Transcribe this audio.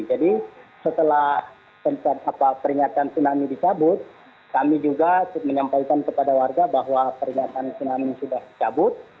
jadi setelah peringatan tsunami dicabut kami juga menyampaikan kepada warga bahwa peringatan tsunami sudah dicabut